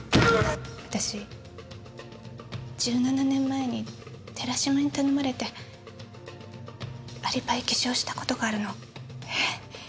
私１７年前に寺島に頼まれてアリバイ偽証したことがあるの。え？